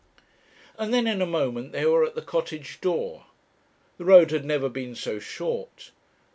And then in a moment they were at the Cottage door. The road had never been so short.